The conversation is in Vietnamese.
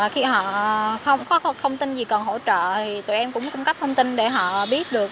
khi họ không có thông tin gì cần hỗ trợ thì tụi em cũng cung cấp thông tin để họ biết được